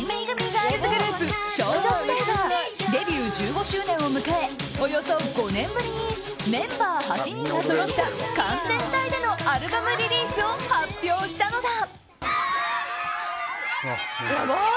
ガールズグループ少女時代がデビュー１５周年を迎えおよそ５年ぶりにメンバー８人がそろった完全体でのアルバムリリースを発表したのだ。